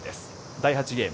第８ゲーム。